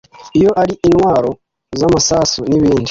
iyo ari intwaro z amasasu n ibindi